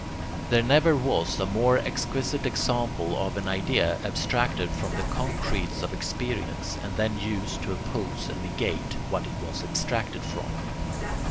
There never was a more exquisite example of an idea abstracted from the concretes of experience and then used to oppose and negate what it was abstracted from.